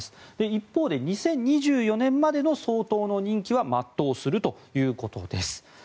一方で２０２４年までの総統の任期は全うするということです。